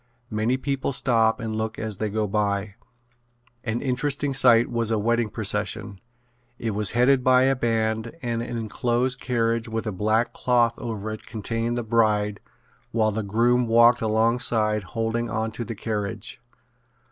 Many people stop and look as they go by. An interesting sight was a wedding procession. It was headed by a band and an enclosed carriage with a black cloth over it contained the bride while the groom walked alongside holding on to the carriage.